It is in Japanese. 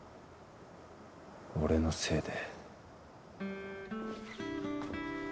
俺のせいで。